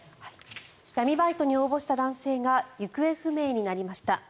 闇バイトに応募した男性が行方不明になりました。